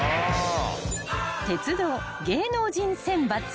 ［鉄道芸能人選抜］